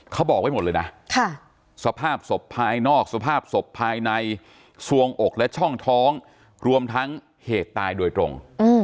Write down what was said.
เขาบอกไว้หมดเลยนะสภาพศพภายนอกสภาพศพภายในส่วงอกและช่องท้องรวมทั้งเหตุตายโดยตรง